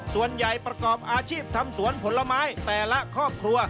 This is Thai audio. ประกอบอาชีพทำสวนผลไม้แต่ละครอบครัว